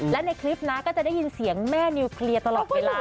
และในคลิปนะก็จะได้ยินเสียงแม่นิวเคลียร์ตลอดเวลา